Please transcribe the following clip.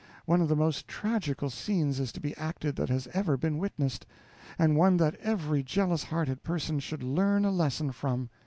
One of the most tragical scenes is to be acted that has ever been witnessed, and one that every jealous hearted person should learn a lesson from.